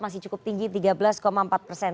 masih cukup tinggi tiga belas empat persen